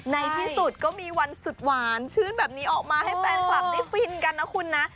ในที่สุดก็มีวันสุดหวานชื่นแบบนี้ออกมาให้แฟนคลับได้ฟินกันนะคุณนะ